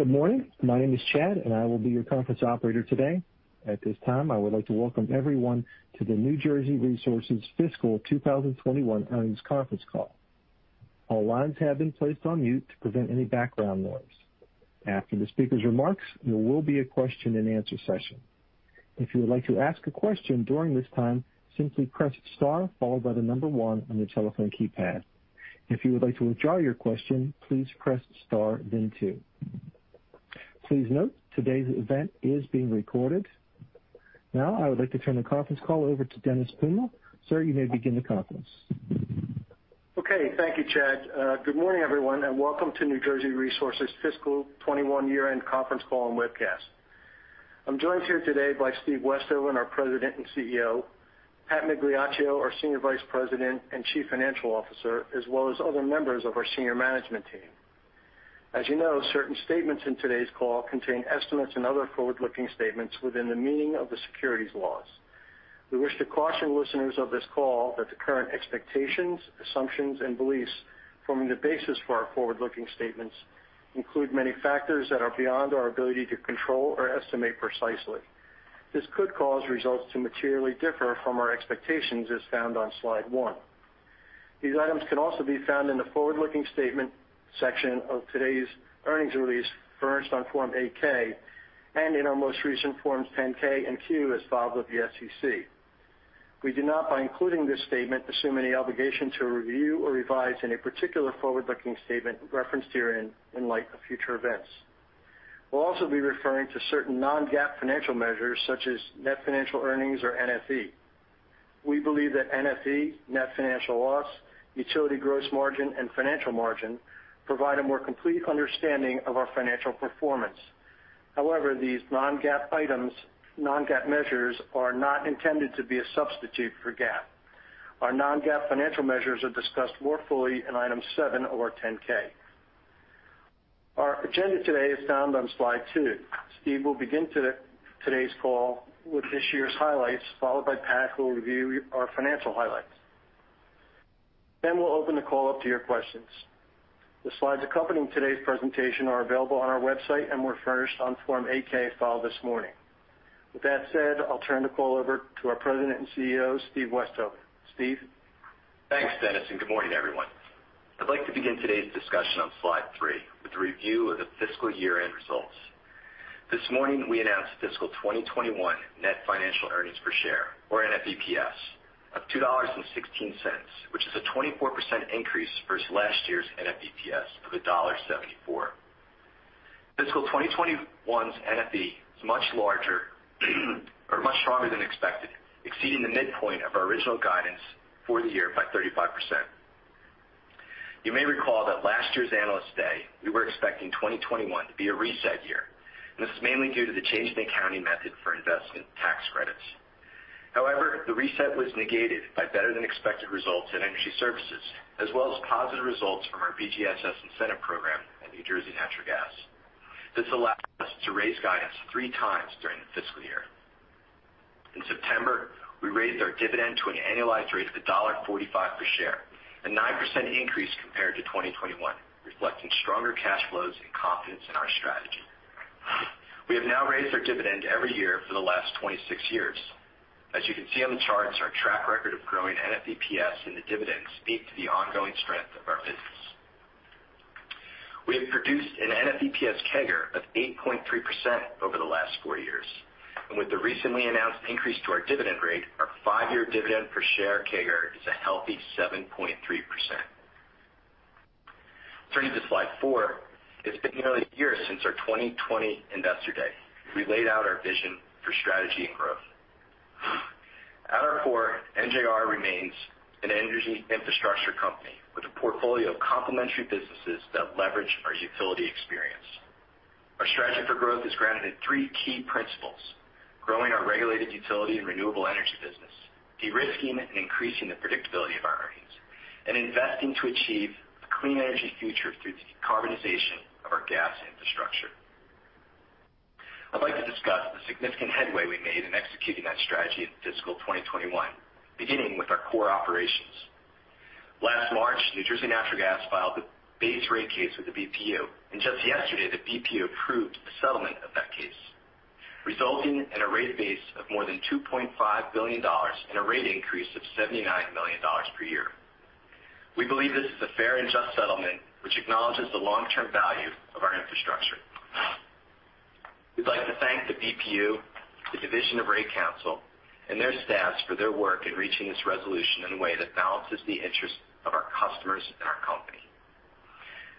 Good morning. My name is Chad, and I will be your conference operator today. At this time, I would like to welcome everyone to the New Jersey Resources Fiscal 2021 earnings conference call. All lines have been placed on mute to prevent any background noise. After the speaker's remarks, there will be a question-and-answer session. If you would like to ask a question during this time, simply press star followed by the number 1 on your telephone keypad. If you would like to withdraw your question, please press star, then 2. Please note today's event is being recorded. Now I would like to turn the conference call over to Dennis Puma. Sir, you may begin the conference. Okay. Thank you, Chad. Good morning, everyone, and welcome to New Jersey Resources Fiscal 2021 year-end conference call and webcast. I'm joined here today by Steve Westhoven, our President and CEO, Pat Migliaccio, our Senior Vice President and Chief Financial Officer, as well as other members of our senior management team. As you know, certain statements in today's call contain estimates and other forward-looking statements within the meaning of the securities laws. We wish to caution listeners of this call that the current expectations, assumptions, and beliefs forming the basis for our forward-looking statements include many factors that are beyond our ability to control or estimate precisely. This could cause results to materially differ from our expectations, as found on slide 1. These items can also be found in the forward-looking statement section of today's earnings release furnished on Form 8-K and in our most recent Forms 10-K and 10-Q as filed with the SEC. We do not, by including this statement, assume any obligation to review or revise any particular forward-looking statement referenced herein in light of future events. We'll also be referring to certain non-GAAP financial measures such as net financial earnings or NFE. We believe that NFE, net financial loss, utility gross margin, and financial margin provide a more complete understanding of our financial performance. However, these non-GAAP items, non-GAAP measures are not intended to be a substitute for GAAP. Our non-GAAP financial measures are discussed more fully in Item 7 of our 10-K. Our agenda today is found on slide 2. Steve will begin today's call with this year's highlights, followed by Pat, who will review our financial highlights. We'll open the call up to your questions. The slides accompanying today's presentation are available on our website and were furnished on Form 8-K filed this morning. With that said, I'll turn the call over to our President and CEO, Steve Westhoven. Steve? Thanks, Dennis, and good morning, everyone. I'd like to begin today's discussion on slide 3 with a review of the fiscal year-end results. This morning we announced fiscal 2021 net financial earnings per share, or NFEPS, of $2.16, which is a 24% increase versus last year's NFEPS of $1.74. Fiscal 2021's NFE is much larger or much stronger than expected, exceeding the midpoint of our original guidance for the year by 35%. You may recall that last year's Analyst Day, we were expecting 2021 to be a reset year, and this is mainly due to the change in accounting method for investment tax credits. However, the reset was negated by better than expected results in Energy Services, as well as positive results from our BGSS incentive program at New Jersey Natural Gas. This allowed us to raise guidance 3 times during the fiscal year. In September, we raised our dividend to an annualized rate of $1.45 per share, a 9% increase compared to 2021, reflecting stronger cash flows and confidence in our strategy. We have now raised our dividend every year for the last 26 years. As you can see on the charts, our track record of growing NFEPS and the dividend speak to the ongoing strength of our business. We have produced an NFEPS CAGR of 8.3% over the last 4 years, and with the recently announced increase to our dividend rate, our 5-year dividend per share CAGR is a healthy 7.3%. Turning to slide 4. It's been nearly a year since our 2020 Investor Day. We laid out our vision for strategy and growth. At our core, NJR remains an energy infrastructure company with a portfolio of complementary businesses that leverage our utility experience. Our strategy for growth is grounded in three key principles, growing our regulated utility and renewable energy business, de-risking and increasing the predictability of our earnings, and investing to achieve a clean energy future through the decarbonization of our gas infrastructure. I'd like to discuss the significant headway we made in executing that strategy in fiscal 2021, beginning with our core operations. Last March, New Jersey Natural Gas filed the base rate case with the BPU, and just yesterday, the BPU approved the settlement of that case, resulting in a rate base of more than $2.5 billion and a rate increase of $79 million per year. We believe this is a fair and just settlement which acknowledges the long-term value of our infrastructure. We'd like to thank the BPU, the Division of Rate Counsel, and their staffs for their work in reaching this resolution in a way that balances the interests of our customers and our company.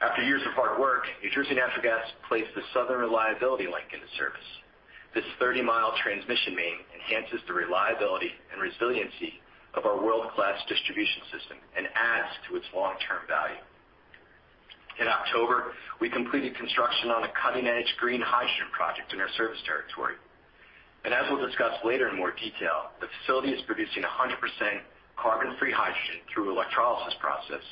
After years of hard work, New Jersey Natural Gas placed the Southern Reliability Link into service. This 30-mile transmission main enhances the reliability and resiliency of our world-class distribution system and adds to its long-term value. In October, we completed construction on a cutting-edge green hydrogen project in our service territory. We'll discuss later in more detail, the facility is producing 100% carbon-free hydrogen through electrolysis process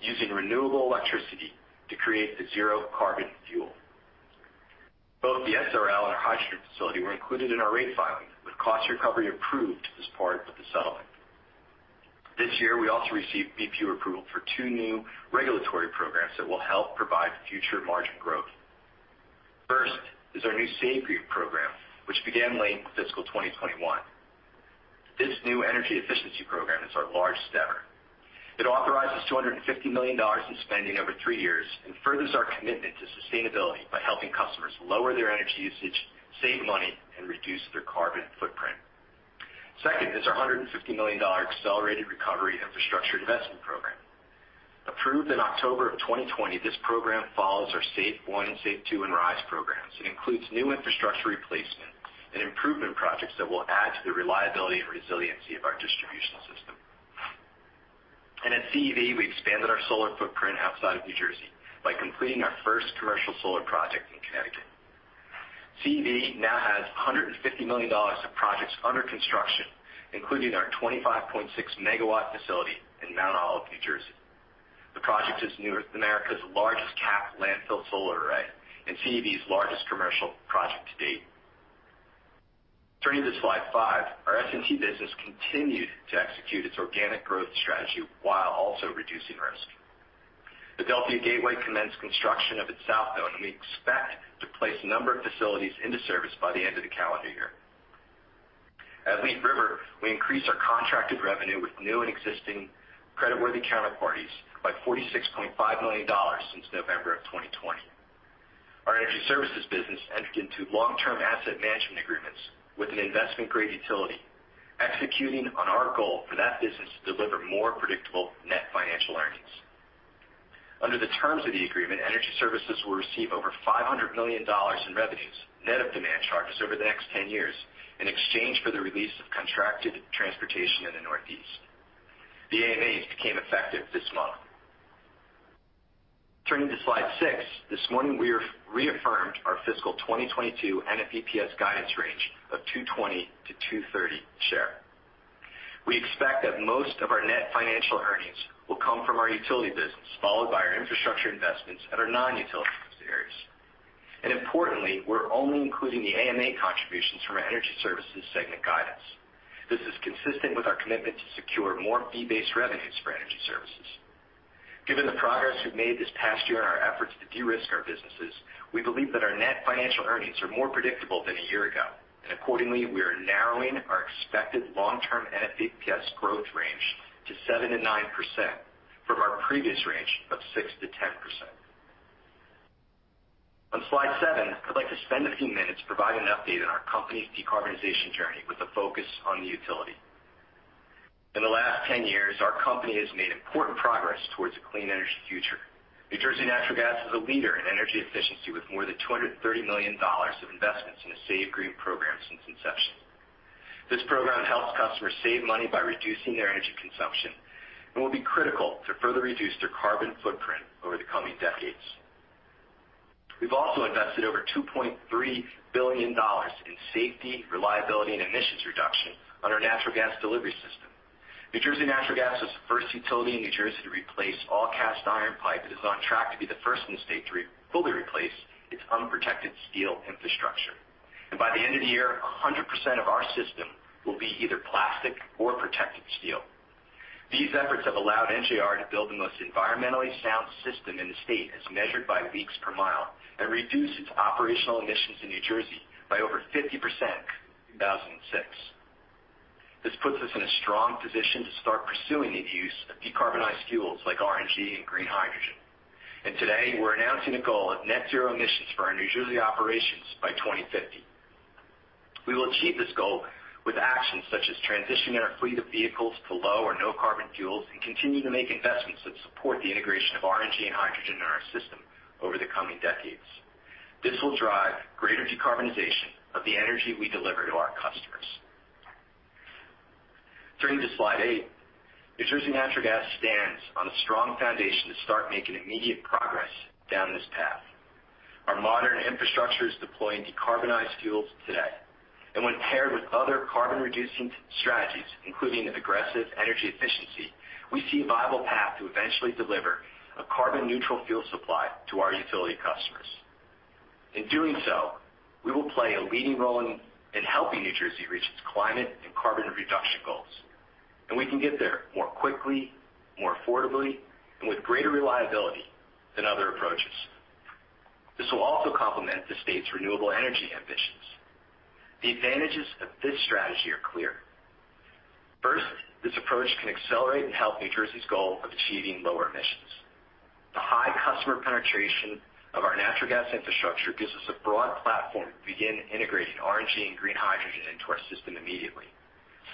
using renewable electricity to create the zero carbon fuel. Both the SRL and our hydrogen facility were included in our rate filing, with cost recovery approved as part of the settlement. This year, we also received BPU approval for 2 new regulatory programs that will help provide future margin growth. 1st is our new SaveGreen program, which began late in fiscal 2021. This new energy efficiency program is our largest ever. It authorizes $250 million in spending over 3 years and furthers our commitment to sustainability by helping customers lower their energy usage, save money, and reduce their carbon footprint. 2nd is our $150 million Accelerated Recovery Infrastructure Investment program. Approved in October 2020, this program follows our SAFE One, SAFE Two, and RISE programs. It includes new infrastructure replacement and improvement projects that will add to the reliability and resiliency of our distribution system. At CEV, we expanded our solar footprint outside of New Jersey by completing our 1st commercial solar project in Connecticut. CEV now has $150 million of projects under construction, including our 25.6 MW facility in Mount Olive, New Jersey. The project is North America's largest capped landfill solar array and CEV's largest commercial project to date. Turning to slide 5. Our S&T business continued to execute its organic growth strategy while also reducing risk. Adelphia Gateway commenced construction of its South Zone, and we expect to place a number of facilities into service by the end of the calendar year. At Leaf River, we increased our contracted revenue with new and existing creditworthy counterparties by $46.5 million since November of 2020. Our Energy Services business entered into long-term Asset Management Agreements with an investment-grade utility, executing on our goal for that business to deliver more predictable net financial earnings. Under the terms of the agreement, Energy Services will receive over $500 million in revenues, net of demand charges over the next 10 years in exchange for the release of contracted transportation in the Northeast. The AMAs became effective this month. Turning to slide 6. This morning, we reaffirmed our fiscal 2022 NFEPS guidance range of $2.20-$2.30 per share. We expect that most of our net financial earnings will come from our utility business, followed by our infrastructure investments at our non-utility business areas. Importantly, we're only including the AMA contributions from our Energy Services segment guidance. This is consistent with our commitment to secure more fee-based revenues for Energy Services. Given the progress we've made this past year in our efforts to de-risk our businesses, we believe that our net financial earnings are more predictable than a year ago. Accordingly, we are narrowing our expected long-term NFEPS growth range to 7% to 9% from our previous range of 6% to 10%. On slide 7, I'd like to spend a few minutes providing an update on our company's decarbonization journey with a focus on the utility. In the last 10 years, our company has made important progress towards a clean energy future. New Jersey Natural Gas is a leader in energy efficiency with more than $230 million of investments in the SAVEGREEN program since inception. This program helps customers save money by reducing their energy consumption and will be critical to further reduce their carbon footprint over the coming decades. We've also invested over $2.3 billion in safety, reliability, and emissions reduction on our natural gas delivery system. New Jersey Natural Gas was the 1st utility in New Jersey to replace all cast iron pipe. It is on track to be the 1st in the state to fully replace its unprotected steel infrastructure. By the end of the year, 100% of our system will be either plastic or protected steel. These efforts have allowed NJR to build the most environmentally sound system in the state as measured by leaks per mile and reduce its operational emissions in New Jersey by over 50% in 2006. This puts us in a strong position to start pursuing the use of decarbonized fuels like RNG and green hydrogen. Today, we're announcing a goal of net zero emissions for our New Jersey operations by 2050. We will achieve this goal with actions such as transitioning our fleet of vehicles to low or no carbon fuels and continue to make investments that support the integration of RNG and hydrogen in our system over the coming decades. This will drive greater decarbonization of the energy we deliver to our customers. Turning to slide 8. New Jersey Natural Gas stands on a strong foundation to start making immediate progress down this path. Our modern infrastructure is deploying decarbonized fuels today, and when paired with other carbon-reducing strategies, including aggressive energy efficiency, we see a viable path to eventually deliver a carbon neutral fuel supply to our utility customers. In doing so, we will play a leading role in helping New Jersey reach its climate and carbon reduction goals, and we can get there more quickly, more affordably, and with greater reliability than other approaches. This will also complement the state's renewable energy ambitions. The advantages of this strategy are clear. 1st, this approach can accelerate and help New Jersey's goal of achieving lower emissions. The high customer penetration of our natural gas infrastructure gives us a broad platform to begin integrating RNG and green hydrogen into our system immediately,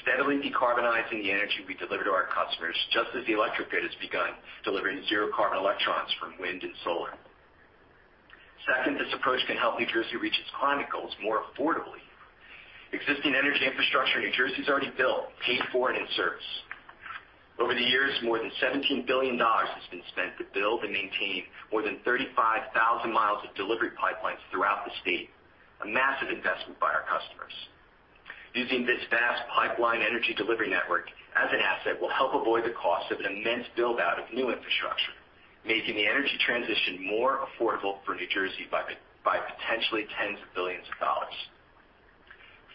steadily decarbonizing the energy we deliver to our customers just as the electric grid has begun delivering zero carbon electrons from wind and solar. Second, this approach can help New Jersey reach its climate goals more affordably. Existing energy infrastructure in New Jersey is already built, paid for, and in service. Over the years, more than $17 billion has been spent to build and maintain more than 35,000 miles of delivery pipelines throughout the state, a massive investment by our customers. Using this vast pipeline energy delivery network as an asset will help avoid the cost of an immense build-out of new infrastructure, making the energy transition more affordable for New Jersey by potentially tens of billions of dollars.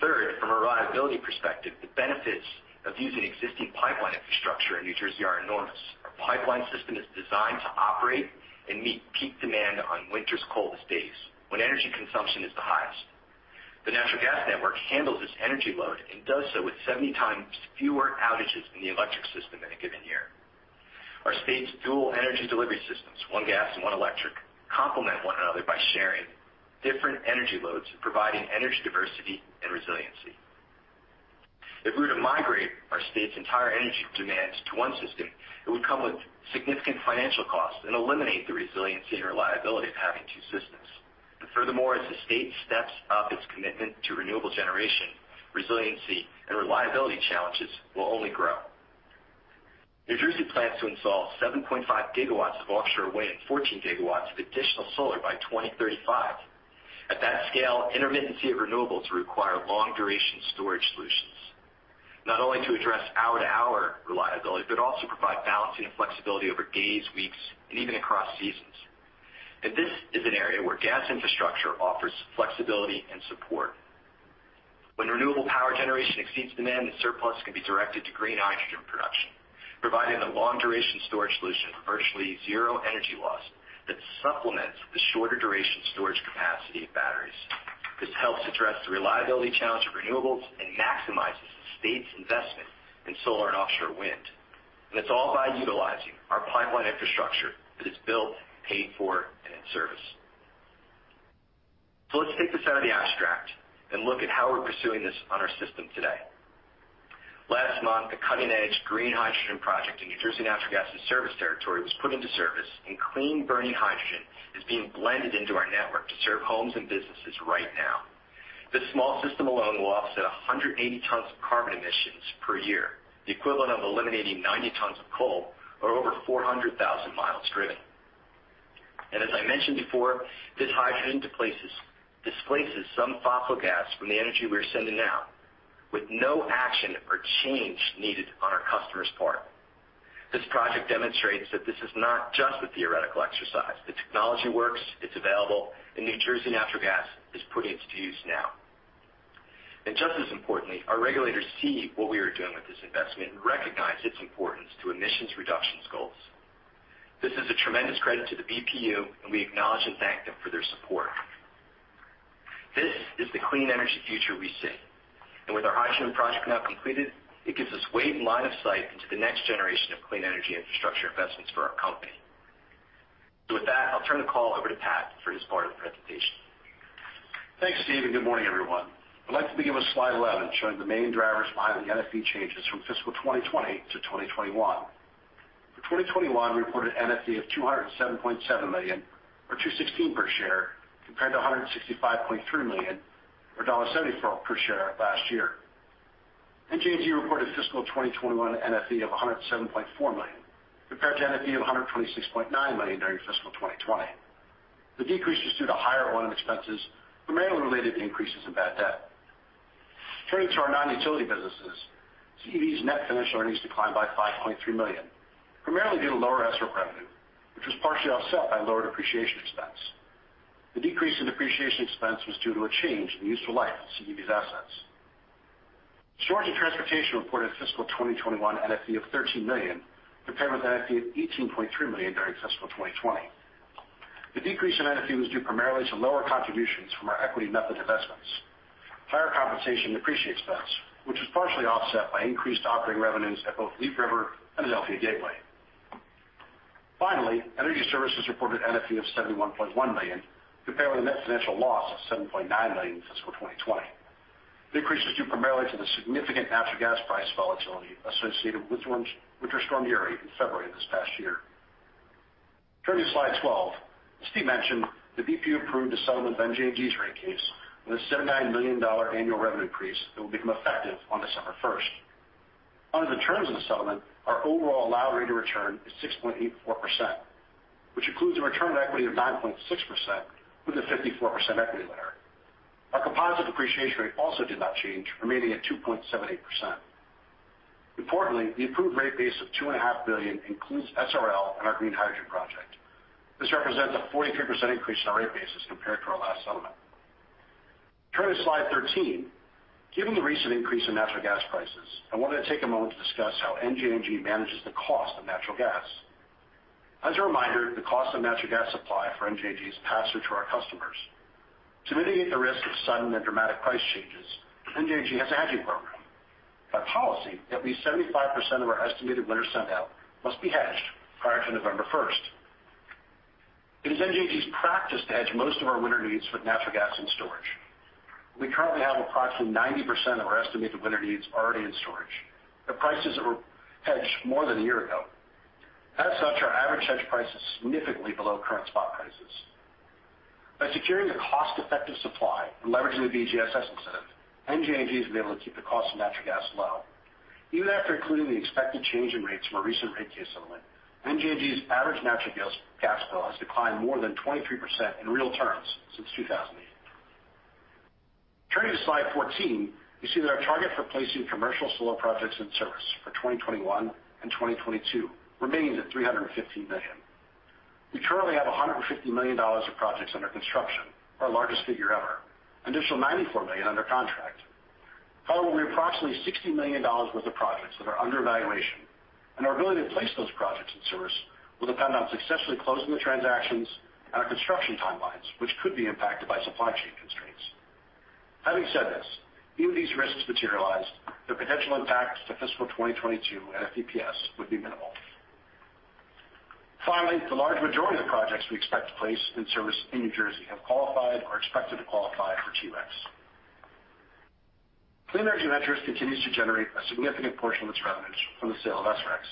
3rd, from a reliability perspective, the benefits of using existing pipeline infrastructure in New Jersey are enormous. Our pipeline system is designed to operate and meet peak demand on winter's coldest days when energy consumption is the highest. The natural gas network handles this energy load and does so with 70 times fewer outages than the electric system in a given year. Our state's dual energy delivery systems, one gas and one electric, complement one another by sharing different energy loads, providing energy diversity and resiliency. If we were to migrate our state's entire energy demands to one system, it would come with significant financial costs and eliminate the resiliency and reliability of having two systems. Furthermore, as the state steps up its commitment to renewable generation, resiliency and reliability challenges will only grow. New Jersey plans to install 7.5 gigawatts of offshore wind, 14 gigawatts of additional solar by 2035. At that scale, intermittency of renewables require long-duration storage solutions, not only to address hour-to-hour reliability, but also provide balancing and flexibility over days, weeks, and even across seasons. This is an area where gas infrastructure offers flexibility and support. When renewable power generation exceeds demand, the surplus can be directed to green hydrogen production, providing a long-duration storage solution with virtually zero energy loss that supplements the shorter duration storage capacity of batteries. This helps address the reliability challenge of renewables and maximizes the state's investment in solar and offshore wind. It's all by utilizing our pipeline infrastructure that is built, paid for, and in service. Let's take this out of the abstract and look at how we're pursuing this on our system today. Last month, a cutting-edge green hydrogen project in New Jersey Natural Gas' service territory was put into service, and clean burning hydrogen is being blended into our network to serve homes and businesses right now. This small system alone will offset 180 tons of carbon emissions per year, the equivalent of eliminating 90 tons of coal or over 400,000 miles driven. As I mentioned before, this hydrogen displaces some fossil gas from the energy we are sending out with no action or change needed on our customers' part. This project demonstrates that this is not just a theoretical exercise. The technology works, it's available, and New Jersey Natural Gas is putting it to use now. Just as importantly, our regulators see what we are doing with this investment and recognize its importance to emissions reductions goals. This is a tremendous credit to the BPU, and we acknowledge and thank them for their support. This is the clean energy future we seek. With our hydrogen project now completed, it gives us weight and line of sight into the next generation of clean energy infrastructure investments for our company. With that, I'll turn the call over to Pat for his part of the presentation. Thanks, Steve, and good morning, everyone. I'd like to begin with slide 11, showing the main drivers behind the NFE changes from fiscal 2020 to 2021. For 2021, we reported NFE of $207.7 million or $2.16 per share, compared to $165.3 million or $1.74 per share last year. NJNG reported fiscal 2021 NFE of $107.4 million, compared to NFE of $126.9 million during fiscal 2020. The decrease is due to higher one-time expenses, primarily related to increases in bad debt. Turning to our non-utility businesses, CEV's net financial earnings declined by $5.3 million, primarily due to lower SREC revenue, which was partially offset by lower depreciation expense. The decrease in depreciation expense was due to a change in the useful life of CEV's assets. Storage and Transportation reported a fiscal 2021 NFE of $13 million compared with NFE of $18.3 million during fiscal 2020. The decrease in NFE was due primarily to lower contributions from our equity method investments, higher compensation and depreciation expense, which was partially offset by increased operating revenues at both Leaf River and Adelphia Gateway. Finally, Energy Services reported NFE of $71.1 million compared with a net financial loss of $7.9 million in fiscal 2020. The increase is due primarily to the significant natural gas price volatility associated with Winter Storm Uri in February of this past year. Turning to slide 12. As Steve mentioned, the BPU approved a settlement of NJNG's rate case with a $7.9 million annual revenue increase that will become effective on December 1. Under the terms of the settlement, our overall allowed rate of return is 6.84%, which includes a return on equity of 9.6% with a 54% equity ratio. Our composite depreciation rate also did not change, remaining at 2.78%. Importantly, the approved rate base of $2.5 billion includes SRL and our green hydrogen project. This represents a 43% increase in our rate bases compared to our last settlement. Turning to slide 13. Given the recent increase in natural gas prices, I wanted to take a moment to discuss how NJNG manages the cost of natural gas. As a reminder, the cost of natural gas supply for NJNG is passed through to our customers. To mitigate the risk of sudden and dramatic price changes, NJNG has a hedging program. By policy, at least 75% of our estimated winter sendout must be hedged prior to November 1st. It is NJNG's practice to hedge most of our winter needs with natural gas in storage. We currently have approximately 90% of our estimated winter needs already in storage. The prices were hedged more than a year ago. As such, our average hedge price is significantly below current spot prices. By securing a cost-effective supply and leveraging the BGSS incentive, NJNG has been able to keep the cost of natural gas low. Even after including the expected change in rates from a recent rate case settlement, NJNG's average natural gas bill has declined more than 23% in real terms since 2008. Turning to slide 14, you see that our target for placing commercial solar projects in service for 2021 and 2022 remains at $315 million. We currently have $150 million of projects under construction, our largest figure ever. Additional $94 million under contract, followed by approximately $60 million worth of projects that are under evaluation. Our ability to place those projects in service will depend on successfully closing the transactions and our construction timelines, which could be impacted by supply chain constraints. Having said this, even if these risks materialize, the potential impact to fiscal 2022 NFEPS would be minimal. Finally, the large majority of projects we expect to place in service in New Jersey have qualified or expected to qualify for TRECs. Clean Energy Ventures continues to generate a significant portion of its revenues from the sale of SRECs.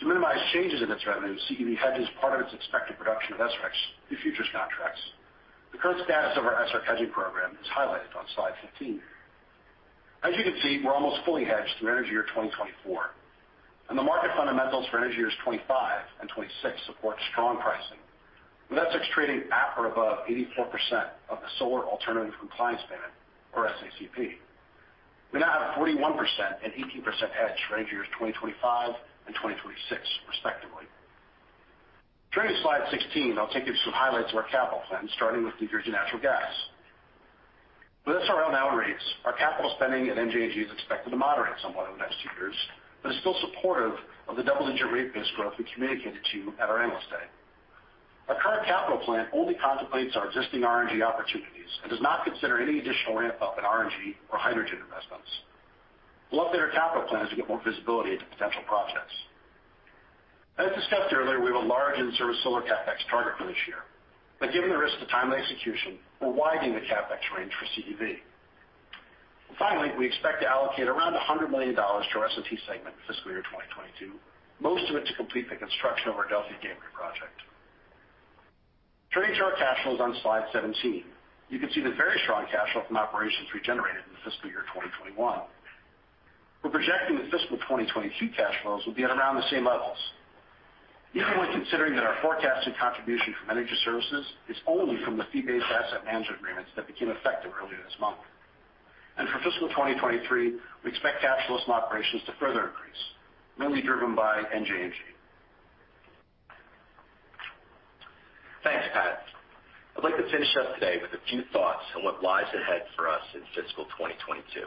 To minimize changes in its revenues, CEV hedges part of its expected production of SRECs through futures contracts. The current status of our SREC hedging program is highlighted on slide 15. As you can see, we're almost fully hedged through energy year 2024, and the market fundamentals for energy years 2025 and 2026 support strong pricing, with SRECs trading at or above 84% of the Solar Alternative Compliance Payment or SACP. We now have 41% and 18% hedge for energy years 2025 and 2026, respectively. Turning to slide 16, I'll take you through some highlights of our capital plan, starting with New Jersey Natural Gas. With SRL in rates, our capital spending at NJNG is expected to moderate somewhat over the next 2 years, but is still supportive of the double-digit rate base growth we communicated to you at our Analyst Day. Our current capital plan only contemplates our existing RNG opportunities and does not consider any additional ramp-up in RNG or hydrogen investments. We'll update our capital plans to get more visibility into potential projects. As discussed earlier, we have a large in-service solar CapEx target for this year, but given the risk to timely execution, we're widening the CapEx range for CEV. Finally, we expect to allocate around $100 million to our S&T segment in FY 2022, most of it to complete the construction of our Adelphia Gateway project. Turning to our cash flows on slide 17, you can see the very strong cash flow from operations we generated in the fiscal year 2021. We're projecting the fiscal 2022 cash flows will be at around the same levels, even when considering that our forecasted contribution from Energy Services is only from the fee-based Asset Management Agreements that became effective earlier this month. For fiscal 2023, we expect cash flows from operations to further increase, mainly driven by NJNG. Thanks, Pat. I'd like to finish up today with a few thoughts on what lies ahead for us in fiscal 2022.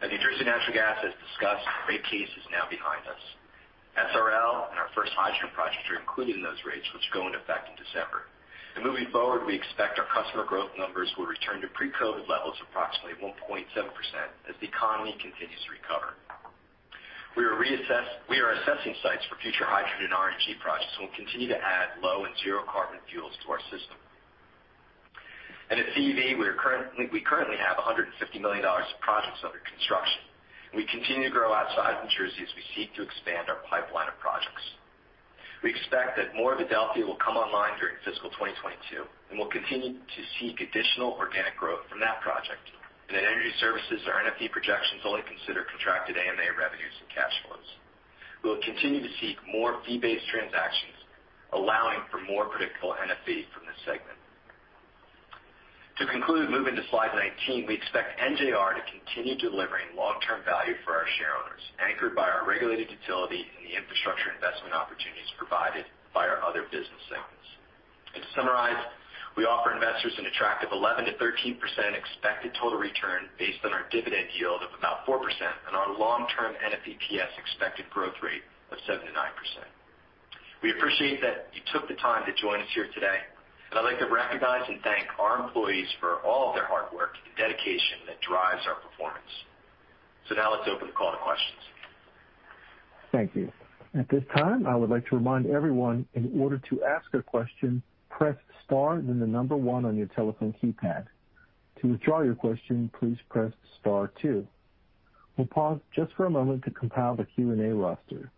As New Jersey Natural Gas has discussed, the rate case is now behind us. SRL and our 1st hydrogen projects are included in those rates, which go into effect in December. Moving forward, we expect our customer growth numbers will return to pre-COVID levels of approximately 1.7% as the economy continues to recover. We are assessing sites for future hydrogen RNG projects and will continue to add low and zero carbon fuels to our system. At CEV, we currently have $150 million of projects under construction, and we continue to grow outside of New Jersey as we seek to expand our pipeline of projects. We expect that more of Adelphia will come online during fiscal 2022, and we'll continue to seek additional organic growth from that project. In Energy Services, our NFE projections only consider contracted AMA revenues and cash flows. We will continue to seek more fee-based transactions, allowing for more predictable NFE from this segment. To conclude and move into slide 19, we expect NJR to continue delivering long-term value for our shareholders, anchored by our regulated utility and the infrastructure investment opportunities provided by our other business segments. To summarize, we offer investors an attractive 11% to 13% expected total return based on our dividend yield of about 4% and our long-term NFEPS expected growth rate of 7% to 9%. We appreciate that you took the time to join us here today, and I'd like to recognize and thank our employees for all of their hard work and dedication that drives our performance. Now let's open the call to questions. Thank you. At this time, I would like to remind everyone, in order to ask a question, press star then the number 1 on your telephone keypad. To withdraw your question, please press star 2. We'll pause just for a moment to compile the Q&A roster.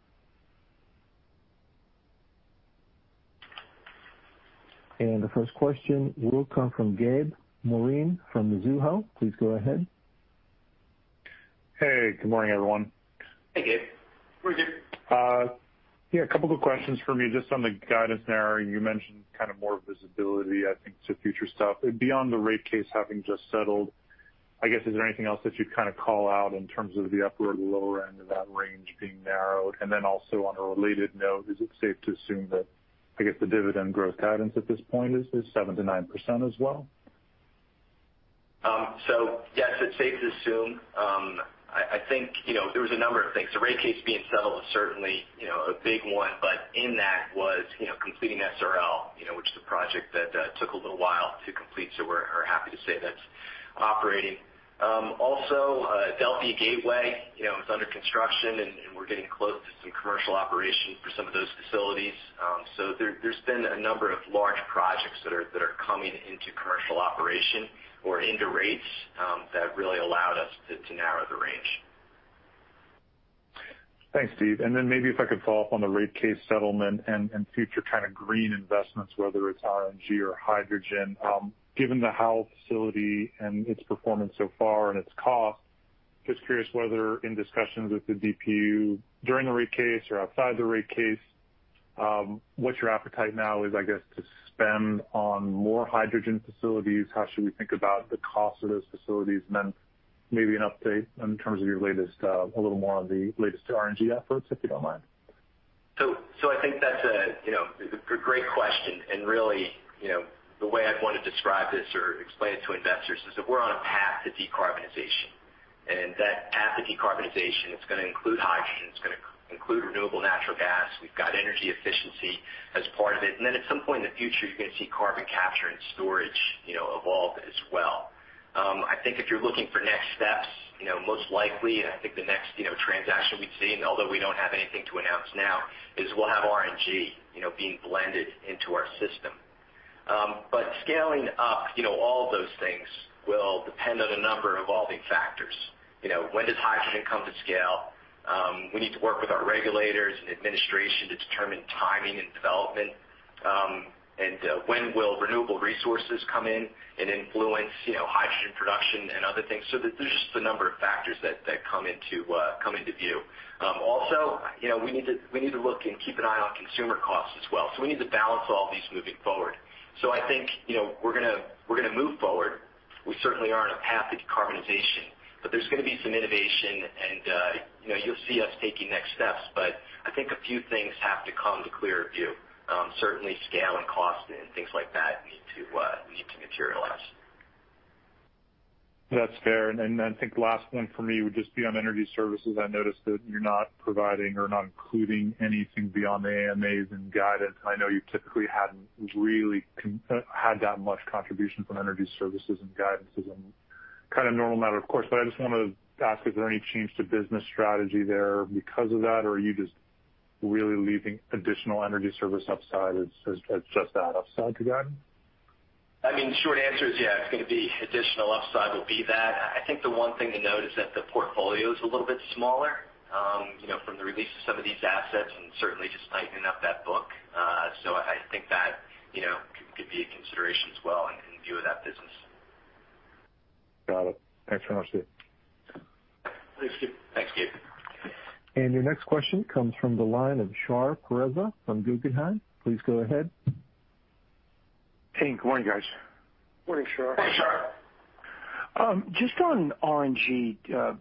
The 1st question will come from Gabe Moreen from Mizuho. Please go ahead. Hey, good morning, everyone. Hey, Gabe. Good morning, Gabe. Yeah, a couple of questions for me just on the guidance narrowing. You mentioned kind of more visibility, I think, to future stuff. Beyond the rate case having just settled, I guess, is there anything else that you'd kind of call out in terms of the upper or lower end of that range being narrowed? On a related note, is it safe to assume that I guess the dividend growth guidance at this point is 7% to 9% as well? Yes, it's safe to assume. I think, you know, there was a number of things. The rate case being settled is certainly, you know, a big one, but in that was, you know, completing SRL, you know, which is a project that took a little while to complete, so we're happy to say that's operating. Also, Adelphia Gateway, you know, is under construction and we're getting close to some commercial operations for some of those facilities. There's been a number of large projects that are coming into commercial operation or into rates, that really allowed us to narrow the range. Thanks, Steve. Maybe if I could follow up on the rate case settlement and future kind of green investments, whether it's RNG or hydrogen. Given the Howell facility and its performance so far and its cost, just curious whether in discussions with the BPU during the rate case or outside the rate case, what your appetite now is, I guess, to spend on more hydrogen facilities? How should we think about the cost of those facilities? Maybe an update in terms of your latest, a little more on the latest RNG efforts, if you don't mind. I think that's a, you know, a great question. Really, you know, the way I'd want to describe this or explain it to investors is that we're on a path to decarbonization. That path to decarbonization, it's going to include hydrogen, it's gonna include renewable natural gas. We've got energy efficiency as part of it. Then at some point in the future, you're going to see carbon capture and storage, you know, evolve as well. I think if you're looking for next steps, you know, most likely, and I think the next, you know, transaction we'd see, and although we don't have anything to announce now, is we'll have RNG, you know, being blended into our system. Scaling up, you know, all of those things will depend on a number of evolving factors. You know, when does hydrogen come to scale? We need to work with our regulators and administration to determine timing and development. When will renewable resources come in and influence, you know, hydrogen production and other things. There's just a number of factors that come into view. Also, you know, we need to look and keep an eye on consumer costs as well. We need to balance all of these moving forward. I think, you know, we're gonna move forward. We certainly are on a path to decarbonization, but there's gonna be some innovation and, you know, you'll see us taking next steps. I think a few things have to come to clear view. Certainly scale and cost and things like that need to materialize. That's fair. I think the last one for me would just be on Energy Services. I noticed that you're not providing or not including anything beyond the AMAs in guidance. I know you typically hadn't really had that much contribution from Energy Services and guidance as a matter of course. I just wanna ask, is there any change to business strategy there because of that? Are you just really leaving additional Energy Services upside as just that upside to guide? I mean, short answer is, yeah, it's gonna be additional upside will be that. I think the one thing to note is that the portfolio is a little bit smaller, you know, from the release of some of these assets and certainly just tightening up that book. So I think that, you know, could be a consideration as well in view of that business. Got it. Thanks for your honesty. Thanks, Gabe. Thanks, Gabe. Your next question comes from the line of Shar Pourreza from Guggenheim. Please go ahead. Hey, good morning, guys. Morning, Shar. Morning, Shar. Just on RNG,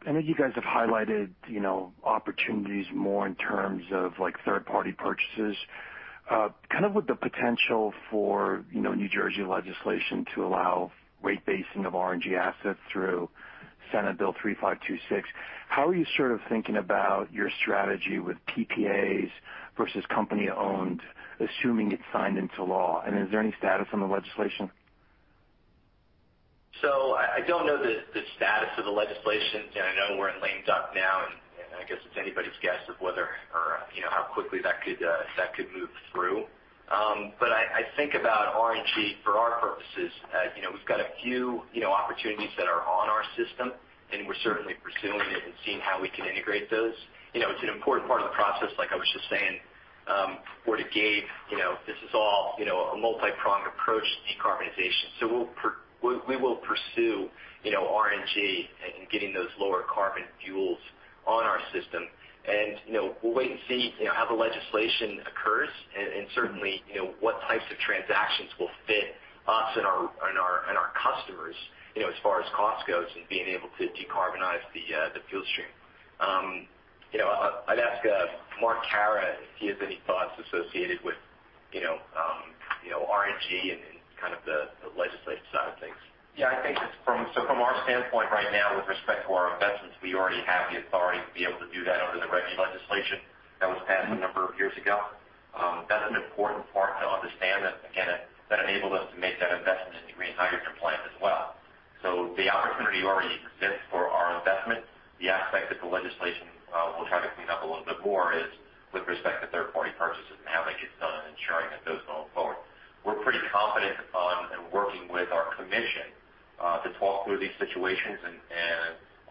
I know you guys have highlighted, you know, opportunities more in terms of, like, third-party purchases. Kind of with the potential for, you know, New Jersey legislation to allow rate basing of RNG assets through Senate Bill 3526, how are you sort of thinking about your strategy with PPAs versus company-owned, assuming it's signed into law? Is there any status on the legislation? I don't know the status of the legislation. You know, I know we're in lame duck now, and I guess it's anybody's guess whether you know, how quickly that could move through. I think about RNG for our purposes. You know, we've got a few you know, opportunities that are on our system, and we're certainly pursuing it and seeing how we can integrate those. You know, it's an important part of the process, like I was just saying, where we gauge you know, this is all, you know, a multi-pronged approach to decarbonization. We'll pursue you know, RNG and getting those lower carbon fuels on our system. You know, we'll wait and see, you know, how the legislation occurs and certainly, you know, what types of transactions will fit us and our customers, you know, as far as cost goes and being able to decarbonize the fuel stream. You know, I'd ask Mark Kahrer if he has any thoughts associated with, you know, RNG and kind of the legislative side of things. From our standpoint right now with respect to our investments, we already have the authority to be able to do that under the RGGI legislation that was passed a number of years ago. That's an important part to understand that, again, that enabled us to make that investment in the green hydrogen plant as well. The opportunity already exists for our investment. The aspect that the legislation will try to clean up a little bit more is with respect to 3rd-party purchases and how they get done and ensuring that those go forward. We're pretty confident on and working with our commission to talk through these situations.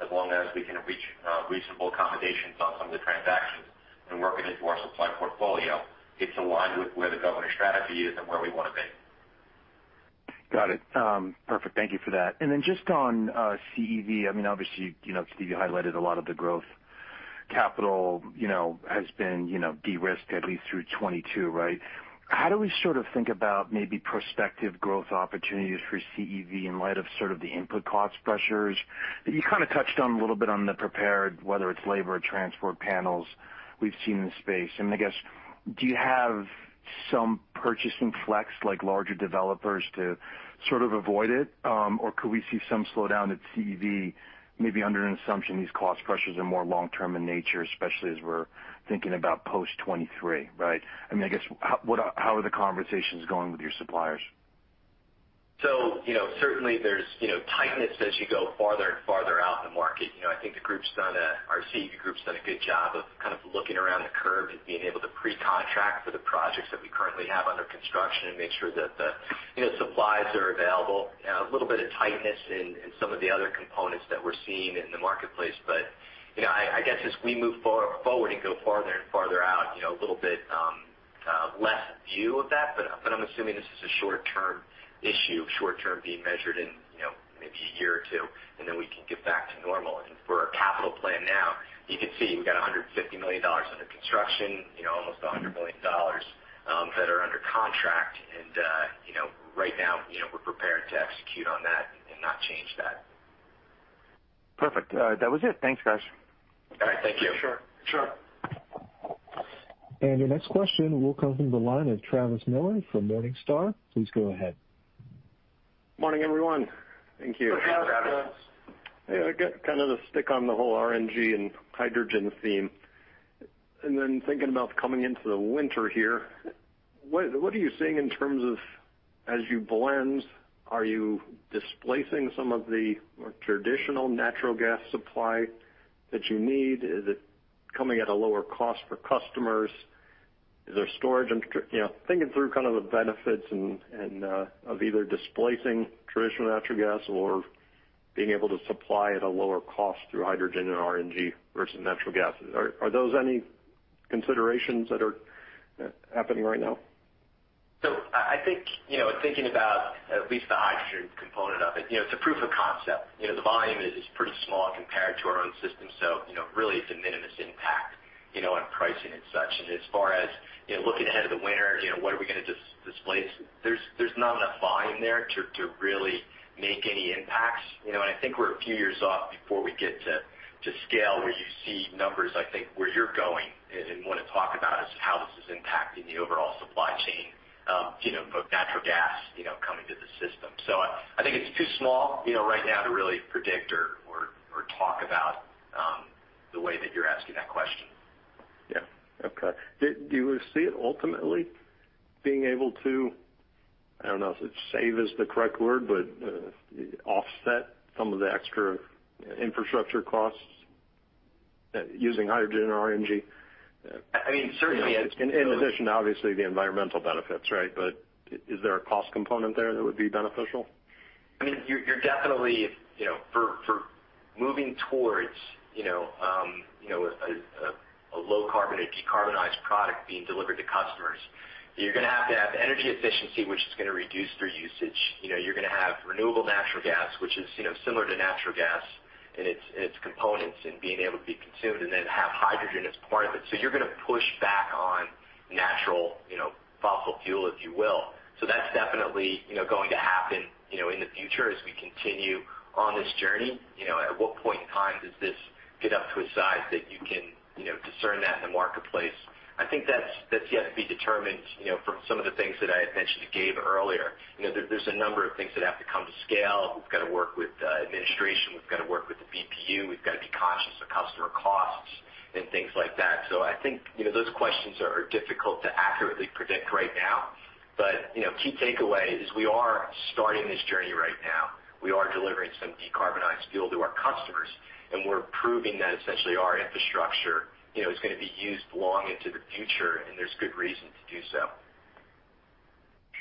As long as we can reach reasonable accommodations on some of the transactions and work it into our supply portfolio, it's aligned with where the governor's strategy is and where we wanna be. Got it. Perfect. Thank you for that. Just on CEV, I mean, obviously, you know, Steve, you highlighted a lot of the growth capital, you know, has been, you know, de-risked at least through 2022, right? How do we sort of think about maybe prospective growth opportunities for CEV in light of sort of the input cost pressures? You kind touched on a little bit in the prepared, whether it's labor or transport panels we've seen in the space. I guess, do you have some purchasing flex like larger developers to sort of avoid it? Or could we see some slowdown at CEV maybe under an assumption these cost pressures are more long-term in nature, especially as we're thinking about post 2023, right? I mean, I guess how are the conversations going with your suppliers? You know, certainly there's, you know, tightness as you go farther and farther out in the market. You know, I think our CEV group's done a good job of kind of looking around the curve and being able to pre-contract for the projects that we currently have under construction and make sure that the, you know, supplies are available. A little bit of tightness in some of the other components that we're seeing in the marketplace, but, you know, I guess as we move forward and go farther and farther out, you know, a little bit less view of that, but I'm assuming this is a short-term issue, short-term being measured in, you know, maybe a year or two, and then we can get back to normal. Plan now. You can see we've got $150 million under construction, you know, almost $100 million that are under contract. You know, right now, you know, we're prepared to execute on that and not change that. Perfect. That was it. Thanks, guys. All right, thank you. Sure. Sure. Your next question will come from the line of Travis Miller from Morningstar. Please go ahead. Morning, everyone. Thank you. Good morning, Travis. Yeah, I got kind of stuck on the whole RNG and hydrogen theme. Then thinking about coming into the winter here, what are you seeing in terms of as you blend, are you displacing some of the more traditional natural gas supply that you need? Is it coming at a lower cost for customers? You know, thinking through kind of the benefits and of either displacing traditional natural gas or being able to supply at a lower cost through hydrogen and RNG versus natural gas. Are those any considerations that are happening right now? I think, you know, thinking about at least the hydrogen component of it, you know, it's a proof of concept. You know, the volume is pretty small compared to our own system. You know, really it's a minimal impact, you know, on pricing and such. As far as, you know, looking ahead of the winter, you know, what are we gonna displace? There's not enough volume there to really make any impacts, you know. I think we're a few years off before we get to scale where you see numbers. I think where you're going and want to talk about is how this is impacting the overall supply chain, you know, both natural gas, you know, coming to the system. I think it's too small, you know, right now to really predict or talk about the way that you're asking that question. Yeah. Okay. Did you see it ultimately being able to, I don't know if save is the correct word, but offset some of the extra infrastructure costs using hydrogen or RNG? I mean, certainly. In addition, obviously, the environmental benefits, right? Is there a cost component there that would be beneficial? I mean, you're definitely, you know, for moving towards, you know, a low carbon or decarbonized product being delivered to customers, you're gonna have to have energy efficiency, which is gonna reduce their usage. You know, you're gonna have renewable natural gas, which is, you know, similar to natural gas and its components and being able to be consumed and then have hydrogen as part of it. You're going to push back on natural, you know, fossil fuel, if you will. That's definitely, you know, going to happen, you know, in the future as we continue on this journey. You know, at what point in time does this get up to a size that you can, you know, discern that in the marketplace? I think that's yet to be determined, you know, from some of the things that I had mentioned to Gabe earlier. You know, there's a number of things that have to come to scale. We've got to work with the administration. We've got to work with the BPU. We've got to be conscious of customer costs and things like that. I think, you know, those questions are difficult to accurately predict right now. You know, key takeaway is we are starting this journey right now. We are delivering some decarbonized fuel to our customers, and we're proving that essentially our infrastructure, you know, is gonna be used long into the future, and there's good reason to do so.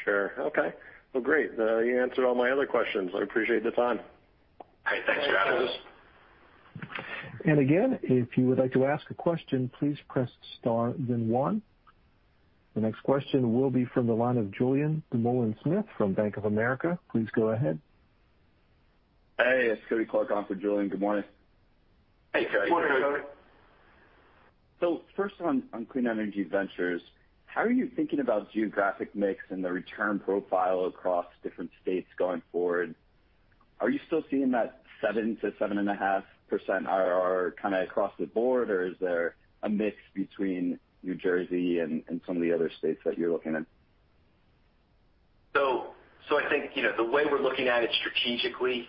Sure. Okay. Well, great. You answered all my other questions. I appreciate the time. All right. Thanks, Travis. Again, if you would like to ask a question, please press star then one. The next question will be from the line of Julien Dumoulin-Smith from Bank of America. Please go ahead. Hey, it's Cody Clark on for Julien. Good morning. Hey, Cody. Good morning, Cody. 1st on Clean Energy Ventures, how are you thinking about geographic mix and the return profile across different states going forward? Are you still seeing that 7% to 7.5% IRR kinda across the board, or is there a mix between New Jersey and some of the other states that you're looking at? I think, you know, the way we're looking at it strategically,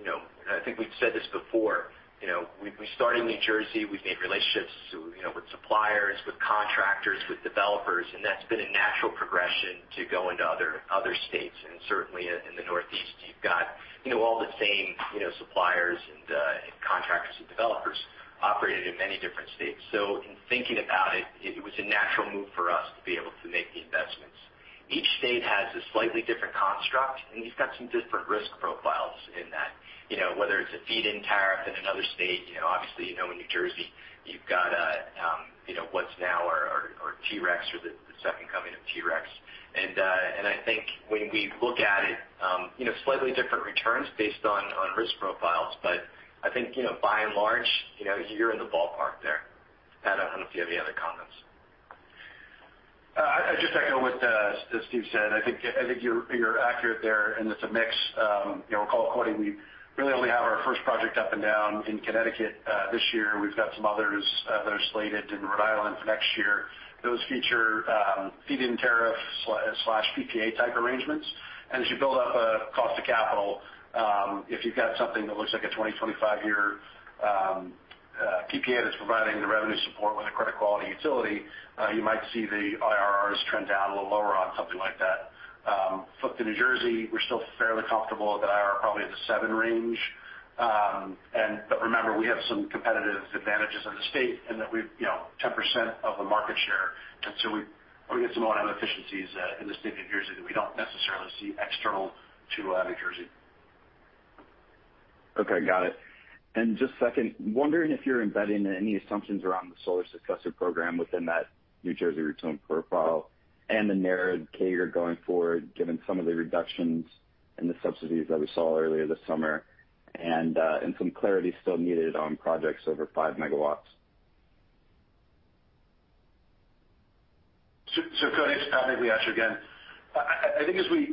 you know, and I think we've said this before, you know, we started in New Jersey. We've made relationships, you know, with suppliers, with contractors, with developers, and that's been a natural progression to go into other states. Certainly in the Northeast, you've got, you know, all the same, you know, suppliers and contractors and developers operating in many different states. In thinking about it was a natural move for us to be able to make the investments. Each state has a slightly different construct, and you've got some different risk profiles in that. You know, whether it's a feed-in tariff in another state, you know, obviously, you know, in New Jersey, you've got a, you know, what's now our TREC or the second coming of TREC. I think when we look at it, you know, slightly different returns based on risk profiles, but I think, you know, by and large, you know, you're in the ballpark there. Pat, I don't know if you have any other comments. I just echo what Steve said. I think you're accurate there, and it's a mix. You know, recall quoting we really only have our first project up and down in Connecticut. This year, we've got some others that are slated in Rhode Island for next year. Those feature feed-in tariff slash PPA type arrangements. As you build up a cost of capital, if you've got something that looks like a 20 to 25-year PPA that's providing the revenue support with a credit quality utility, you might see the IRRs trend down a little lower on something like that. Flipped to New Jersey, we're still fairly comfortable with the IRR probably at the 7% range. Remember, we have some competitive advantages in the state and that we've, you know, 10% of the market share, and so we get some efficiencies in the state of New Jersey that we don't necessarily see external to New Jersey. Okay, got it. Just 2nd, wondering if you're embedding any assumptions around the solar successor program within that New Jersey return profile and the narrowed CAGR going forward, given some of the reductions in the subsidies that we saw earlier this summer and some clarity still needed on projects over 5 MW. Cody, it's Patrick Migliaccio again. I think as we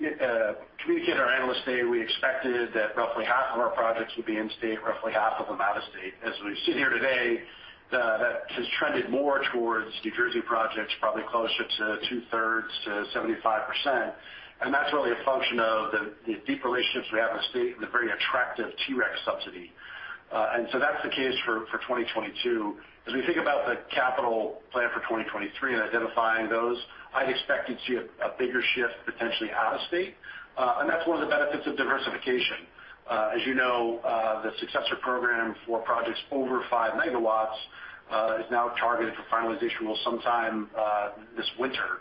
communicate our Analyst Day, we expected that roughly half of our projects would be in state, roughly half of them out of state. As we sit here today, that has trended more towards New Jersey projects, probably closer to 2/3 to 75%. That's really a function of the deep relationships we have in the state and the very attractive TREC subsidy. That's the case for 2022. As we think about the capital plan for 2023 and identifying those, I'd expect to see a bigger shift potentially out of state. That's one of the benefits of diversification. As you know, the successor program for projects over 5 MW is now targeted for finalization sometime this winter.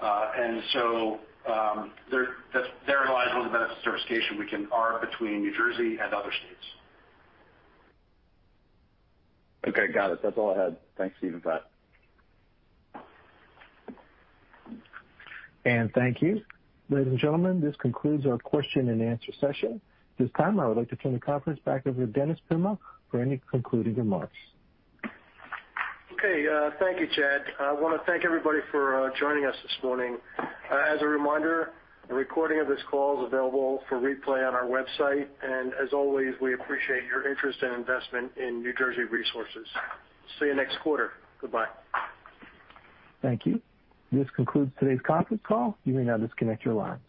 There lies one of the benefits of diversification. We can arbitrage between New Jersey and other states. Okay, got it. That's all I had. Thanks, Steve and Pat. Thank you. Ladies and gentlemen, this concludes our question and answer session. At this time, I would like to turn the conference back over to Dennis Puma for any concluding remarks. Okay, thank you, Chad. I want to thank everybody for joining us this morning. As a reminder, a recording of this call is available for replay on our website. As always, we appreciate your interest and investment in New Jersey Resources. See you next quarter. Goodbye. Thank you. This concludes today's conference call. You may now disconnect your lines.